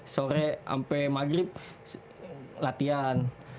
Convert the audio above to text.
sore sampai maghrib latihan